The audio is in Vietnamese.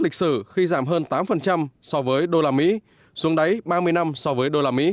lịch sử khi giảm hơn tám so với usd xuống đáy ba mươi năm so với usd